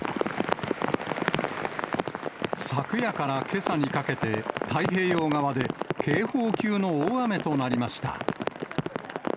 昨夜からけさにかけて、太平洋側で、警報級の大雨となりました。